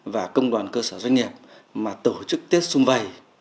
và công đoàn cơ sở doanh nghiệp mà tổ chức tết xung vầy